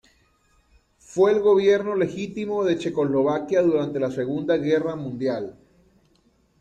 Fue el gobierno legítimo de Checoslovaquia durante la Segunda Guerra Mundial.